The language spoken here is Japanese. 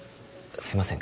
すいません